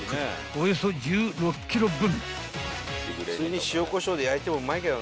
およそ１６ｋｇ分］